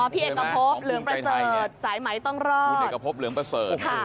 พี่เอกภพเหลืองประเสริฐสายไหมต้องรอด